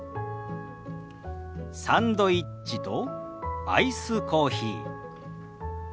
サンドイッチとアイスコーヒー。